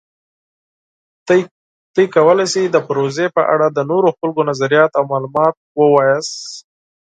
تاسو کولی شئ د پروژې په اړه د نورو خلکو نظریات او معلومات ولولئ.